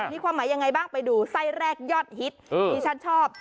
มีความหมายยังไงบ้างไปดูไส้แรกยอดฮิตที่ฉันชอบ